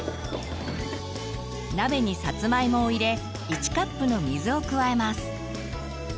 鍋にさつまいもを入れ１カップの水を加えます。